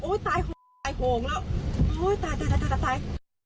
โอ้โฮตายโหงละโอ้โฮตาย